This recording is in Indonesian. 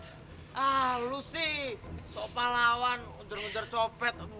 ah lu sih sopah lawan ngerjur ngerjur copet